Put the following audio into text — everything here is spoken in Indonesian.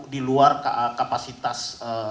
di luar kapasitas